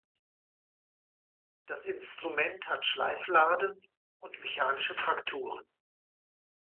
Das Instrument hat Schleifladen und mechanische Trakturen.